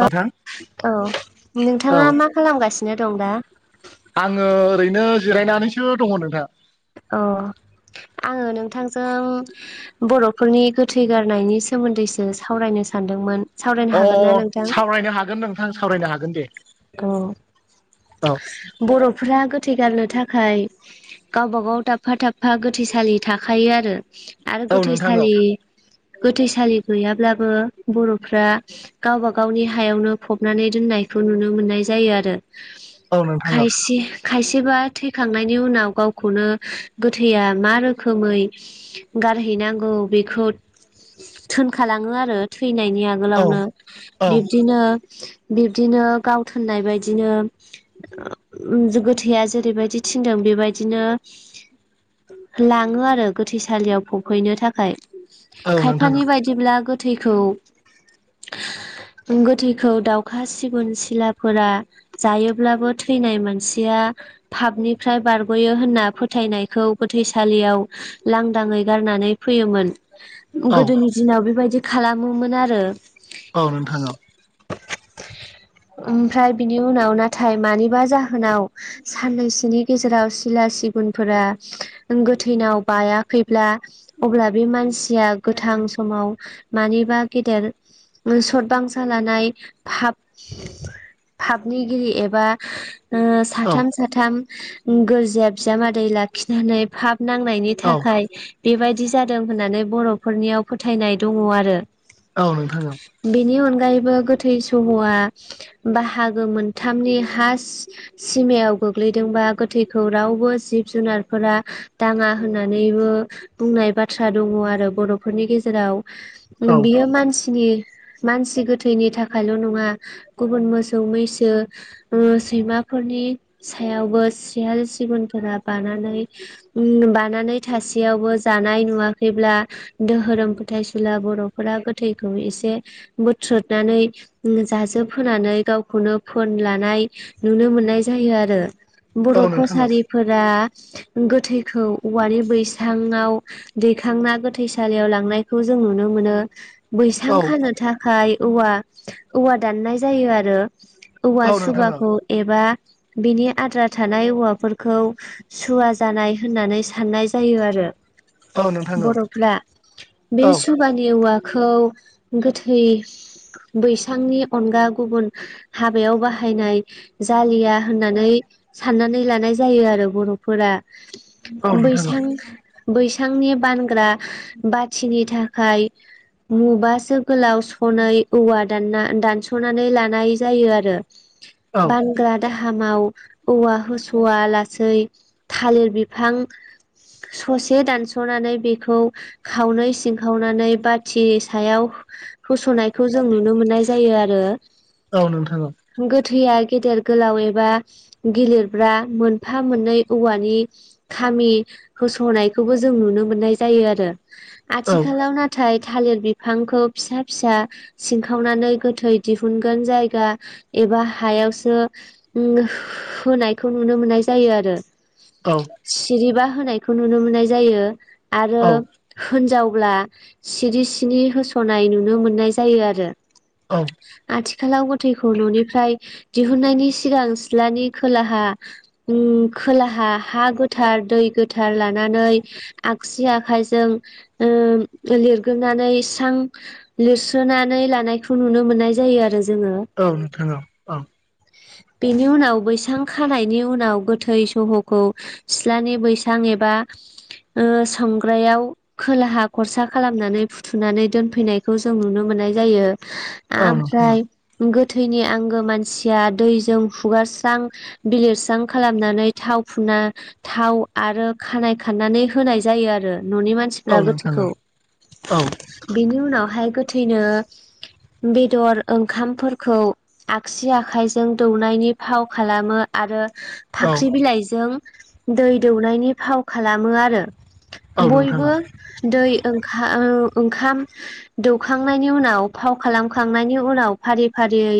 ओ नोंथां औ औ नोंथाङा मा खालामगासिनो दं दा? आङो ओरैनो जिरायनानैसो दङ नोंथां अ आङो नोंथांजों बर'फोरनि गोथै गारनायनि सोमोन्दैसो सावरायनो सानदोंमोन। सावरायनो अ हागोन ना नोंथां? सावरायनो हागोन नोंथां सावरायनो हागोन दे। औ अ बर'फोरा गोथै गारनो थाखाय गावबा गाव दाबफा-दाबफा गोथैसालि थाखायो आरो आरो औ नोंथां औ गोथैसालि गोथैसालि गैयाब्लाबो बर'फ्रा गावबा गावनि हायावनो फबनानै दोननायखौ नुनो मोननाय जायो आरो औ नोंथां औ खायसे खायसेबा थैखांनायनि उनाव गावखौनो गोथैया मा रोखोमै गारहैनांगौ बेखौ थोनखालाङो आरो थैनायनि आगोल औ आगोलावनो औ बिबदिनो बिब्दिनो गाव थोननाय बायदिनो गोथैया जेरैबायदि थिनदों बेबायदिनो लाङो आरो गोथैसालियाव फबहैनो थाखाय औ नोंथां खायफानि बायदि ब्ला गोथैखौ- गोथैखौ दाउखा सिगुन सिलाफोरा जायोब्लाबो थैनाय मानसिया पापनिफ्राय बारग'यो होनना फोथायनायखौ गोथैसालियाव लांदाङै गारनानै फैयोमोन। औ गोदोनि दिनाव बेबायदि खालामोमोन आरो औ नोंथां औ ओमफ्राय बिनि उनाव नाथाय मानिबा जाहोनाव साननैसोनि गेजेराव सिला सिगुनफोरा गोथैनाव बायाखैब्ला अब्ला बे मानसिया गोथां समाव मानिबा गेदेर सद बांसा लानाय फाब फाबनिगिरि एबा औ साथाम साथाम गोरजिया बिजामादै लाखिनानै फाब नांनायनि औ थाखाय बेबायदि जादों होननानै बर'फोरनियाव फोथायनाय दङ आरो औ नोंथां औ बेनि अनगायैबो गोथै सह'आ बाहागो मोनथामनि हा सिमायाव गोग्लैदोंबा गोथैखौ रावबो जिब-जुनारफोरा दाङा होननानैबो बुंनाय बाथ्रा दङ आरो बर'फोरनि गेजेराव औ नोंथां औ बियो मानसिनि मानसि गोथैनि थाखायल' नङा गुबुन मोसौ, मैसो सैमाफोरनि सायावबो सियाल सिगुनफोरा बानानै बानानै थासेयावबो जानाय नुवाखैब्ला दोहोरोम फोथायसुला बर'फोरा गोथैखौ एसे बोथ्रोदनानै जाजोब होनानै गावखौनो फोन लानाय नुनो मोननाय जायो आरो। बर' औ नोंथां औ नोंथां कसारिफोरा गोथैखौ औवानि बैसाङाव। दैखांना गोथैसालियाव लांनायखौ जों नुनो मोनो। औ बैसां खानो थाखाय औवा-औवा दाननाय जायो आरो औवा औ नोंथां औ सुबाखौ एबा बिनि आद्रा थानाय औवाफोरखौ सुवा जानाय होननानै साननाय जायो आरो। औ नोंथां बर'फ्रा बे औ सु सुबानि औवाखौ गोथै बैसांनि अनगा गुबुन हाबायाव बाहायनाय जालिया होननानै साननानै लानाय जायो आरो बर'फोरा बैसां बैसांनि बानग्रा बाथिनि थाखाय मुबासो गोलाव सनै औवा दानना दानस' सनानै लानाय जायो आरो औ बानग्रा दाहामाव औवा होस'वा लासै थालिर बिफां ससे दानस'नानै बेखौ खावनै सिंखावनानै बाथि सायाव होस'नायखौ जों नुनो मोननाय जायो आ रो औ नोंथां औ गोथैया गेदेर गोलाव एबा गेलिरब्रा मोनफा मोननै औवानि खामि होस'नायखौबो जों नुनो मोननाय जायो आरो औ आथिखालाव नाथाय थालिर बिफांखौ फिसा फिसा सिनखावनानै गोथै दिहुनगोन जायगा एबा हायावसो ओम होनायखौ नुनो मोननाय जायो आरो औ। सिरिबा होनायखौ नुनो मोननाय जायो आरो होनजावब्ला सिरि सिनि होस'नाय नुनो मोननाय जायो आरो। औ। आथिखालाव गोथैखौ न'निफ्राय दिहुननायनि सिगां सिथ्लानि खोलाहा ओम खोलाहा हा गोथार दै गोथार लानानै आगसि आखाइजों ओ लिरगोननानै सां लिरसोनानै लानायखौ नुनो मोननाय जायो आरो जोङो। औ नोंथां औ औ। बेनि उनाव बैसां खानायनि उनाव गोथै सहखौ सिथ्लानि बैसां एबा ओ संग्रायाव खोलाहा खरसा खालामनानै फुथुनानै दोनफैनायखौ जों नुनो मोननाय जायो। ओमफ्राय गोथैनि आंगो मानसिया दैजों हुगारस्रां बिलिरस्रां खालामनानै थाव फुना थाव आरो खानाइ खाननानै होनाय जायो आरो न'नि मानसि ग्रा गोथैखौ बेनि उनावहाय गोथैनो बेदर ओंखामफोरखौ आगसि आखाइजों दौनायनि फाव खालामो आरो फाख्रि बिलाइजों दै दौनायनि फाव खालामो आरो औ बयबो दै ओंखा ओंखाम दौखांनायनि उनाव फाव खालामखांनायनि उनाव फारि फारियै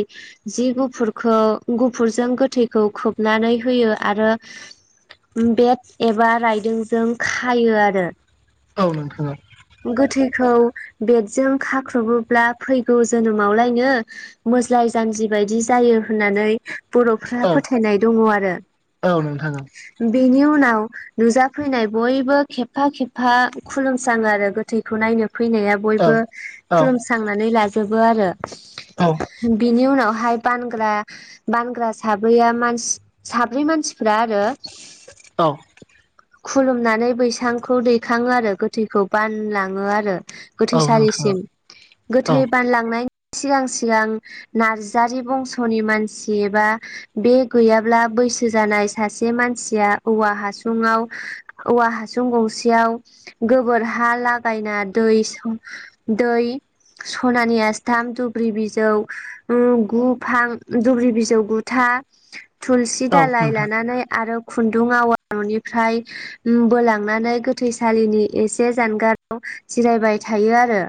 जि गुफुरखौ गुफुरजों गोथैखौ खोबनानै होयो आरो। बेट एबा राइदोंजों खायो आरो औ नोंथा औ गोथैखौ बेडजों खाख्रबोब्ला फैगौ जोनोमावलायनो मोज्लाय जानज्रि बायदि जायो होननानै बर' फ्रा औ फोथायनाय दङ' आरो औ नोंथां बेनि उनाव नुजाफैनाय बयबो खेबफा खेबफा खुलुमस्राङो आरो गोथैखौ नायनो फैनायाबो औ बयबो औ खुलुम्रांनानै लाजोबो आरो औ बिनि उनावहाय बानग्रा बानग्रा साब्रैया मानस साब्रै मानसिफोरा आरो औ खुलुमनानै बैसांखौ दैखाङो आरो गोथैखौ बानलाङो आरो औ नोंथां गोथैसालिसिम औ गोथै बानलांनायनि सिगां सिगां नार्जारि बंस'नि मानसि एबा बे गैयाब्ला बैसो जानाय सासे मानसिया औवा हासुुंआव औवा हासुं गंसेयाव गोबोर हा लागायना दै दैै सनानि आस्थाम दुब्रि बिजौ गुफां दुब्रि बिजौ गुथा थुलुसि औ दालाय नोंथां लानानै आरो खुन्दुं आवा न'निफ्राय बोलांनानै गोथैसालिनि एसे जानगाराव जिरायबाय थायो आरो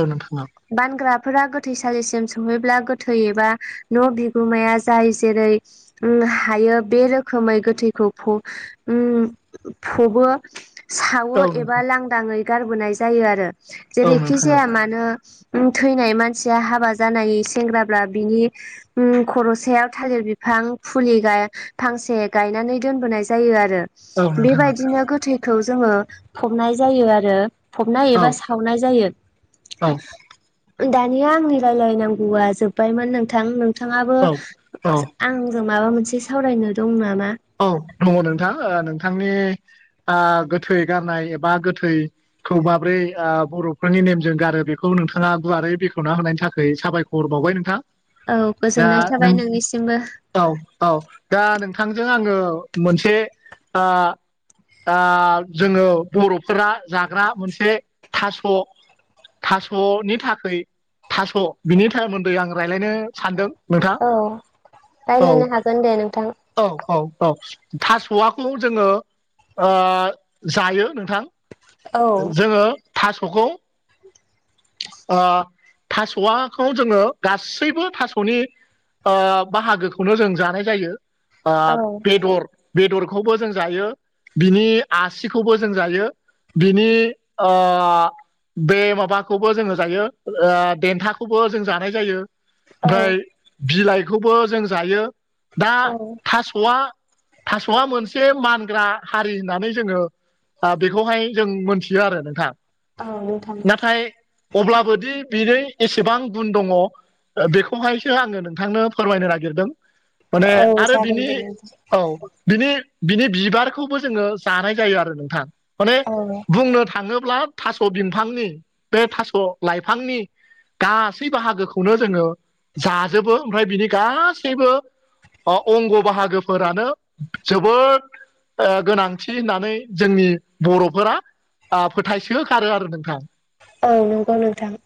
औ नोंथां औ। बानग्राफोरा गोथैसालिसिम सहैब्ला गोथै एबा न' बिगोमाया जाय जेरै हायो बे रोखोमै गोथैखौ उम फबो। सावो औ नोंथां एबा लांदाङै गारबोनाय जायो आरो औ जेरैखि नोंथां जाया मा थैनाय मानसिया हाबा जानाय सेंग्राब्ला बिनि खर'सायाव थालिर बिफां फुलि गाय फांसे गायनानै दोनबोनाय जायो आरो। औ नोंथां बेबायदिनो गोथैखौ जोङो फबनाय जायो आरो। औ फबनाय एबा सावनाय जायो। औ दानिया आंनि रायलायनांगौआ जोबबायमोन नोंथां। नोंथाङाबो औ आंजों माबा मोनसे सावरायनो दं नामा? औ दङ नोंथां नोंथांनि गोथै गारनाय एबा गोथै खौ माब्रै बर'फोरनि नेमजों गारो बेखौ नोंथाङा गुवारै बेखेवना होनायनि थाखाय साबायखर। हरबावबाय नोंथां। औ दा गोजोननाय नों थाबाय नोंनिसिमबो। औ औ दा नोंथांजों आङो मोनसे ओ ओ जोङो बर'फोरा जाग्रा मोनसे थास' थास'नि थाखाय थास' बिनि सोमोन्दै आं रायज्लायनो सानदों। नोंथां औ। होनदो नोंथां। औ औ औ थास'वाखौ जोङो जायो नोंथां। औ जोङो थास'खौ थास'वआखौ जोङो गासैबो थास'नि ओ बाहागोखौनो जों जानाय जायो। औ बेदर बेदरखौबो जों जायो बिनि आसिखौबो जों जायो। बिनि ओ बे माबाखौबो जोङो जायो देन्थाखौबो जों जानाय जायो। ओमफ्राय औ बिलाइखौबो जों जायो दा थास'आ थास'आ मोनसे मानग्रा हारि होननानै जोङो बेखौहाय जों मोनथियो आरो नोंथां औ नोंथां नाथाय। अब्लाबोदि बिनो एसेबां गुन दङ बेखौहायसो आङो नोंथांनो फोरमायनो नागिरदों माने औ आरो जागोन बिनि दे नोंथां औ बिनि बिनि बिबारखौबो जोङो जानाय जायो आरो नोंथां। माने औ बुंनो थाङोब्ला थास' बिफांनि बे थास' लाइफांनि गासै बाहागोखौनो जोङो जाजोबो ओमफ्राय बिनि गासैबो अंग बाहागोफोरानो जोबोद ओ गोनांथि होननानै जोंनि बर'फोरा ओ फोथायसो गारो आरो नोंथां। औ नंगौ नोंथां।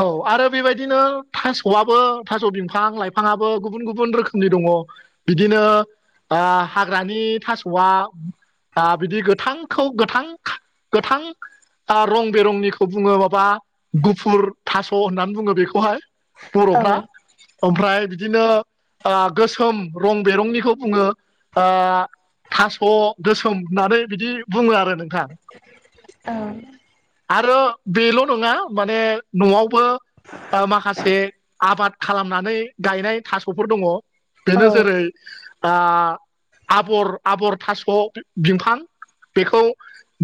औ आरो बेबायदिनो थास'आबो थास' बिफां लाइफाङाबो गुबुन गुबुन रोखोमनि दङ। बिदिनो ओ हाग्रानि थास'आ बिदि गोथां खौ गोथां गोथां रं बेरंनिखौ बुङो माबा गुफुर थास' होननानै बुङो बेखौहाय। औ बर'फ्रा ओमफ्राय बिदिनो ओ गो सोम रं बेरंनिखौ बुङो ओ थास' गोसोम होननानै बिदि बुङो आरो नोंथां ं आरो बेल' नङा माने न'आवबो ओ माखासे आबाद खालामनानै गायनाय थास'फोर दङ औ बेनो जेरै ओ आबर आबर थास' बिफां बेखौ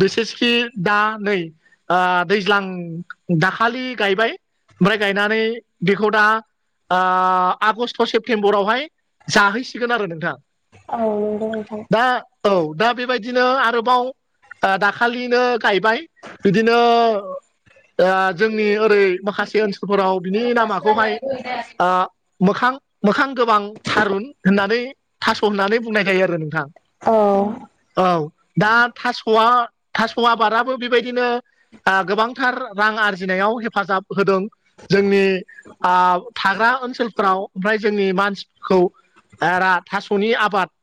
बिसेसखि दा नै ओ दैज्लां दाखालि गायबाय ओमफ्राय गायनानै बेखौ दा ओ आगष्ट सेप्तेम्बरावहाय जाहैसिगोन आरो नोंथां औ नंगौ नोंथां दा औ दा बेबायदिनो आरोबाव दाखालिनो गायबाय बिदिनो ओ जोंनि ओरै माखासे ओनसोलफोराव बिनि नामाखौहाय मोखां मोखां गोबां थारुन होननानै थास' होननानै बुंनाय जायो आरो नोंथां औ औ दा थास'आ थास' आबादाबो बेबायदिनो ओ गोबांथार रां आरजिनायाव हेफाजाब होदों जोंनि ओ थाग्रा ओनसोलफ्राव ओमफ्राय जोंनि मानसिफोरखौ ओरा थास'नि आबाद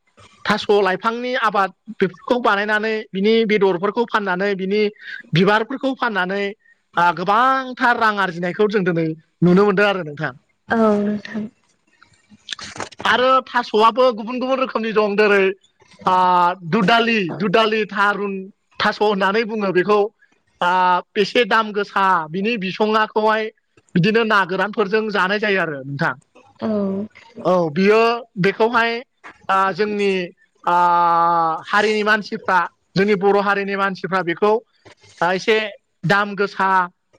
थास' लाइफांनि आबाद बेफोरखौ बानायनानै बिनि बेदरफोरखौ फाननानै बिनि बिबारफोरखौ फाननानै ओ गोबांथार रां आरजिनायखौ जों दिनै नुनो मोनदों आरो नोंथां औ नोंथां आरो थास'आबो गुबुन गुबुन रोखोमनि दं जेरै ओ दुदालि दुदालि थारुन थास' होननानै बुङो बेखौ ओ बेसे दाम गोसा बिनि बिसङाखौहाय बिदिनो ना गोरानफोरजों जानाय जायो आरो नोंथां औ औ बियो बेखौहाय आं जोंनि आ हारिनि मानसिफ्रा जोंनि बर' हारिनि मानसिफ्रा बेखौ आ एसे दाम गोसा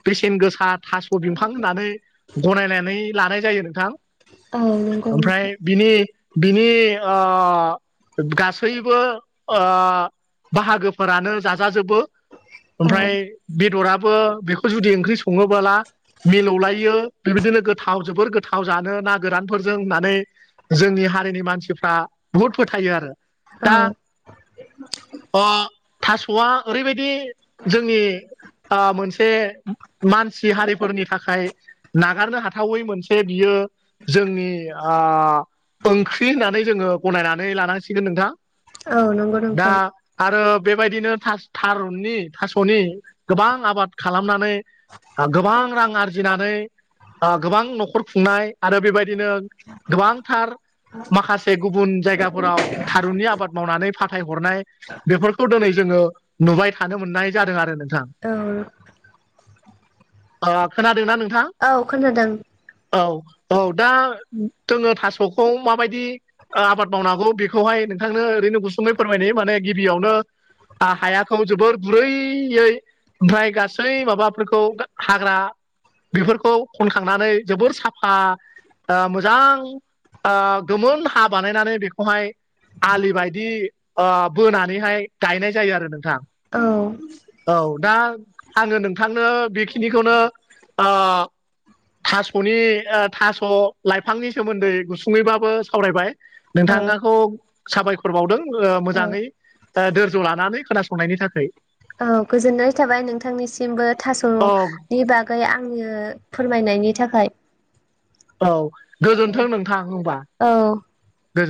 बेसेन गोसा थास' बिफां होननानै गनायनानै लानाय जायो नोंथां औ नंगौ ओमफ्राय नोंथां बिनि बिनि ओ गासैबो ओ बाहागोफोरानो जाजाजोबो औ ओमफ्राय बेदराबो बेखौ जुदि ओंख्रि सङोबोला मिलौलायो बेबायदिनो गोथाव जोबोर गोथाव जानो ना गोरानफोरजों होननानै जोंनि हारिनि मानसिफ्रा बुहुद फोथायो आरो औ ओ थास'आ ओरैबायदि जोंनि ओ मोनसे मानसि हारिफोरनि थाखाय नागारनो हाथावै मोनसे बियो जोंनि ओ ओंख्रि होननानै जोङो गनायनानै लानांसिगोन नोंथां। औ नंगौ दा नोंथां आरो बेबायदिनो थारुननि थास'नि गोबां आबाद खालामनानै गोबां रां आरजिनानै आ गोबां न'खर खुंनाय आरो बेबायदिनो गोबांथार माखासे गुबुन जायगाफोराव थारुननि आबाद मावनानै फाथायहरनाय बेफोरखौ दिनै जोङो नुबाय थानो मोननाय जादों आरो नोंथां औ ओ खोनादोंना नोंथां? औ खोनादों। औ औ दा जोङो थास'खौ माबायदि आबाद मावनांगौ बेखौहाय नोंथांनो ओरैनो गुसुमङै फोरमायनाय माने गिबियावनो हायाखौ जोबोर ब्रैयै ओमफ्राय गासै माबाफोरखौ हाग्रा बेफोरखौ खनखांनानै जोबोर साफा ओ मोजां ओ गोमोन हा बानायनानै बेखौहाय आलि बायदि ओ बोनानैहाय गायनाय जायो आरो नोंथां। औ औ दा आङो नोंथांनो बेखिनिखौनो ओ थास'नि ओ थास' लाइफांनि सोमोन्दै गुसुङैबाबो सावरायबाय। औ नोंथाङाखौ साबायखरबावदों औ मोजाङै दोरज' लानानै खोनासंनायनि थाखाय। औ गोजोननाय थाबाय नोंथांनिसिमबो औ थास'नि बाग ओमफ्राय आङो फोरमायनायनि थाखाय। औ गोजोन्थों नोंथां होनबा ‌। औ